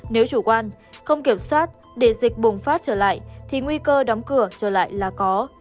nếu chủ quan không kiểm soát để dịch bùng phát trở lại thì nguy cơ đóng cửa trở lại là có